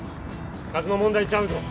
数の問題ちゃうぞ。